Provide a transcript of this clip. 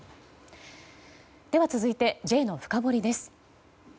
続いてＪのフカボリです。